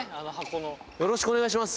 よろしくお願いします。